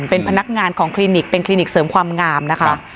เป็นพนักงานของคลินิกเป็นคลินิกเสริมความงามนะคะ